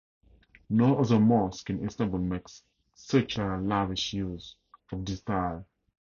No other mosque in Istanbul makes such a lavish use of these tiles.